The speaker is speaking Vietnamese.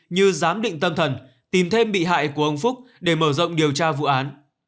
như giám định tâm thần tìm thêm bị hại của ông phúc để mở rộng điều tra vụ án